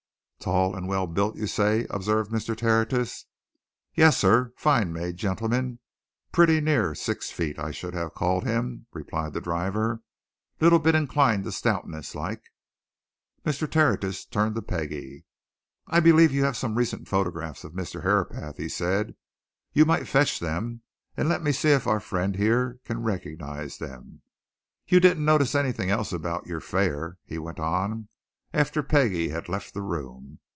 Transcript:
"Tall and well built, you say?" observed Mr. Tertius. "Yes, sir fine made gentleman pretty near six feet, I should have called him," replied the driver. "Little bit inclined to stoutness, like." Mr. Tertius turned to Peggie. "I believe you have some recent photographs of Mr. Herapath," he said. "You might fetch them and let me see if our friend here can recognize them. You didn't notice anything else about your fare?" he went on, after Peggie had left the room.